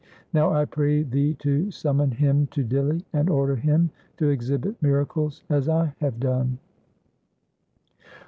Now I pray thee to summon him to Dinli, and order him to exhibit miracles as I have done.'